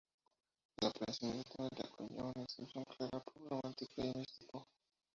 La prensa inmediatamente acuñó una descripción clara: pop romántico y místico.